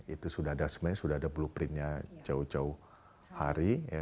itu sudah ada blueprintnya jauh jauh hari